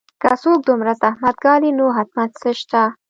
که څوک دومره زحمت ګالي نو حتماً څه شته